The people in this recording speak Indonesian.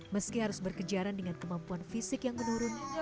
meski harus berkejaran dengan kemampuan fisik yang menurun